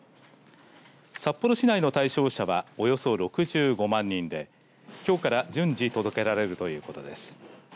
札幌市内の対象者はおよそ６５万人できょうから順次届けられるということです。